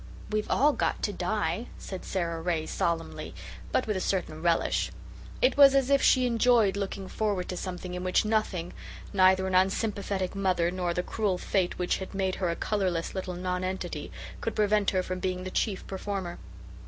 "We've all got to die," said Sara Ray solemnly, but with a certain relish. It was as if she enjoyed looking forward to something in which nothing, neither an unsympathetic mother, nor the cruel fate which had made her a colourless little nonentity, could prevent her from being the chief performer.